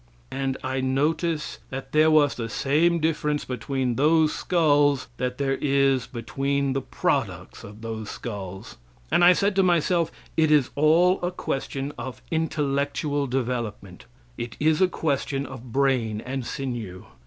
And I notice that there was the same difference between those skulls that there is between the products of those skulls. And I said to myself: "It is all a question of intellectual development. It is a question of brain and sinew."